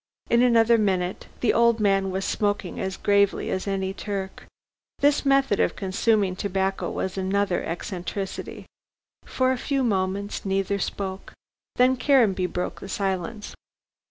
In another minute the old man was smoking as gravely as any Turk. This method of consuming tobacco was another eccentricity. For a few moments neither spoke. Then Caranby broke the silence.